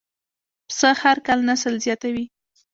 پسه هر کال نسل زیاتوي.